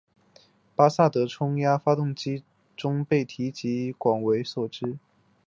巴萨德冲压发动机中被提及而广为所知。